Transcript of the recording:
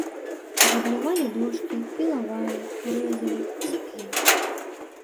Габлявалі дошкі, пілавалі, рэзалі, секлі.